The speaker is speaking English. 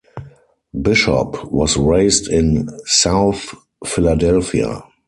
Bishop was raised in South Philadelphia.